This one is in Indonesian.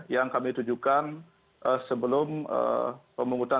yang kami tunjukkan sebelum pemungutan